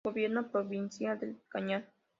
Gobierno Provincial del Cañar